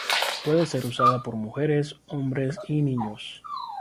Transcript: Puede ser usada por mujeres, hombres y niños.